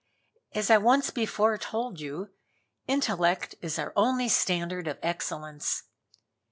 As I once before told you, intellect is our only standard of excellence.